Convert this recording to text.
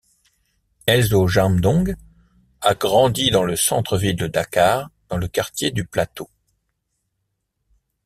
Elzo Jamdong a grandi dans le centre-ville de Dakar dans le quartier du Plateau.